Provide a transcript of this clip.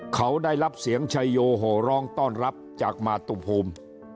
เขาได้รับเสียงชัยโยโหร้องต้อนรับจากมาตุภูมิ